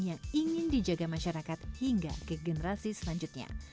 yang ingin dijaga masyarakat hingga ke generasi selanjutnya